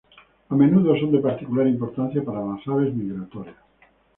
A menudo, son de particular importancia para las aves migratorias.